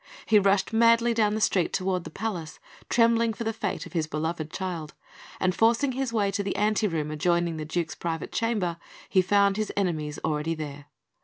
He rushed madly down the street towards the palace, trembling for the fate of his beloved child; and forcing his way to the ante room adjoining the Duke's private chamber, he found his enemies already there.